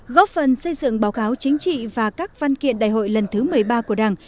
góp phần xây dựng báo cáo chính trị và các văn kiện đại hội lần thứ một mươi ba của đảng